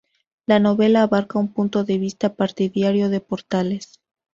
La novela abarca un punto de vista partidario de Portales.